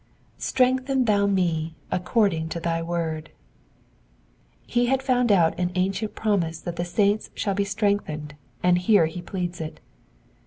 ^^ Strengthen thou me according unto thy word,'*'* He had found out an ancient promise that the saints shall be strengthened, and here he pleads it.